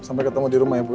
sampai ketemu di rumah ya bu